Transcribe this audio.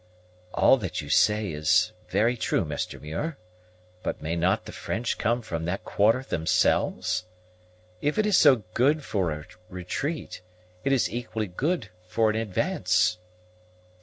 "All that you say is very true, Mr. Muir; but may not the French come from that quarter themselves? If it is so good for a retreat, it is equally good for an advance."